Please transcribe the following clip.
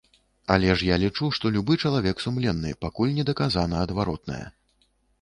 Але ж я лічу, што любы чалавек сумленны, пакуль не даказана адваротнае.